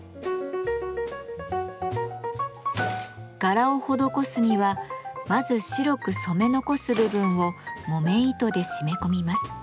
柄を施すにはまず白く染め残す部分を木綿糸で締め込みます。